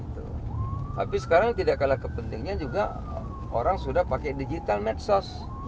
tapi sekarang tidak kalah kepentingnya juga orang sudah pakai digital medsos